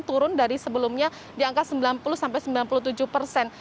turun dari sebelumnya di angka sembilan puluh sampai sembilan puluh tujuh persen